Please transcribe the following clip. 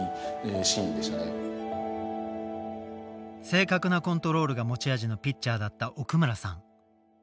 正確なコントロールが持ち味のピッチャーだった奥村さん。